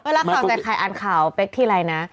เวลาขอบใส่ไข่อ่านข่าวเป๊กที่ไลน์นะ